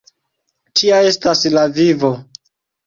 Tia estas la vivo!